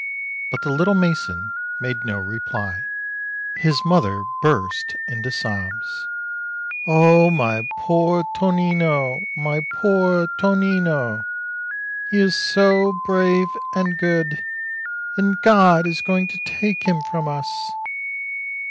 But the little mason made no reply. His mother burst into sobs : "Oh, my poor Tonino ! My poor Tonino ! He is so brave and good, and God is going to take him from us!"